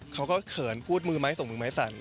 เขินพูดมือไม้ส่งมือไม้สั่น